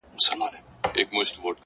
هره هڅه د اعتماد کچه لوړوي.!